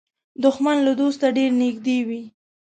دښمن له دوسته ډېر نږدې وي